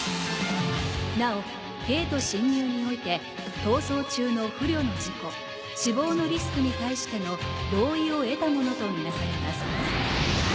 なおゲート進入において逃走中の不慮の事故死亡のリスクに対しての同意を得たものと見なされます